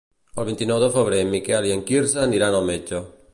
El vint-i-nou de febrer en Miquel i en Quirze aniran al metge.